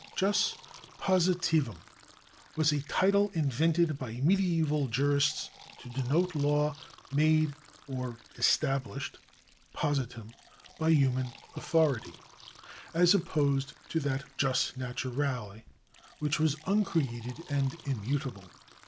Jus positivum was a title invented by medieval jurists to denote law made or established (positum) by human authority, as opposed to that jvs naturale which was uncreated and immutable.